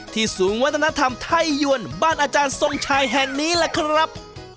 ที่สูงวัฒนธรรมไทยยวนบ้านอาจารย์ทรงชายแห่นนี้ล่ะครับ